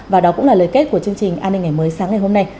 và đó cũng là lời kết của chương trình an ninh ngày mới sáng ngày hôm nay